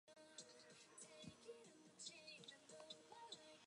Kanuri has three tones: high, low, and falling.